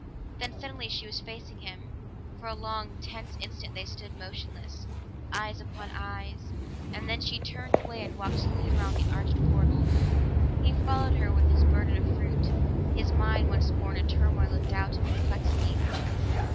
Then suddenly she was facing him; for a long, tense instant they stood motionless, eyes upon eyes, and then she turned away and walked slowly around to the arched portal. He followed her with his burden of fruit; his mind was once more in a turmoil of doubt and perplexity.